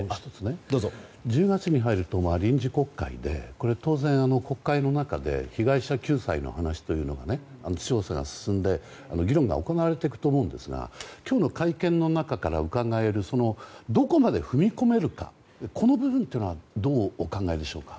１０月に入ると臨時国会で当然これは国会の中で被害者救済の話というのが調査が進んで議論が行われていくと思いますが今日の会見の中からうかがえるどこまで踏み込めるかという部分どうお考えでしょうか。